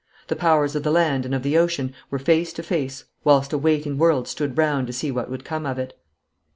The powers of the land and of the ocean were face to face whilst a waiting world stood round to see what would come of it.